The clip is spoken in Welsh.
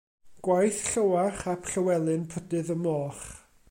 Gwaith Llywarch Ap Llywelyn Prydydd y Moch.